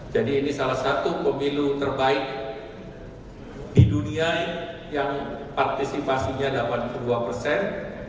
jadi ini salah satu pemilu terbaik di dunia yang partisipasinya dapat dua puluh dua persen